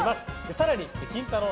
更にキンタロー。